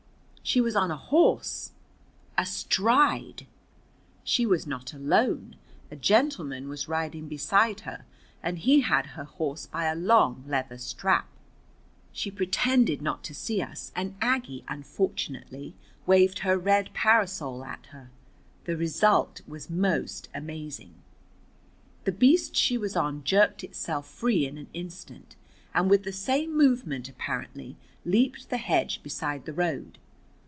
She was on a horse, astride! She was not alone. A gentleman was riding beside her, and he had her horse by a long leather strap. She pretended not to see us, and Aggie unfortunately waved her red parasol at her. The result was most amazing. The beast she was on jerked itself free in an instant, and with the same movement, apparently, leaped the hedge beside the road.